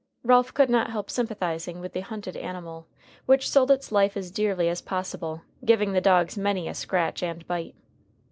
Ralph could not help sympathizing with the hunted animal, which sold its life as dearly as possible, giving the dogs many a scratch and bite.